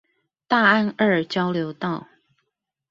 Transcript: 大安二交流道